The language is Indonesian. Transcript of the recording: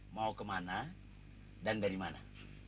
mau kemana dan dari mana